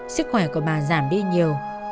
sức khỏe của bà giảm đi nhiều